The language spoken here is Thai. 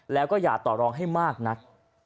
แล้วก็อย่าต่อรองให้มากนัก